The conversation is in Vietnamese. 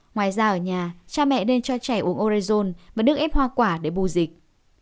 ngoài ra ở nhà cha mẹ nên cho trẻ uống orezon và được ép hoa quả để bù dịch